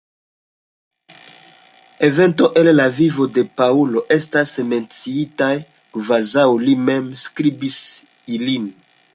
Eventoj el la vivo de Paŭlo estas menciitaj kvazaŭ li mem skribis ilin.